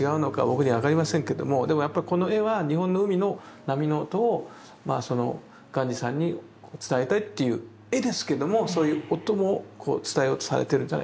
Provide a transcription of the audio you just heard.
僕には分かりませんけどもでもやっぱこの絵は日本の海の波の音を鑑真さんに伝えたいっていう絵ですけどもそういう音も伝えようとされてるんじゃないかなって思いました。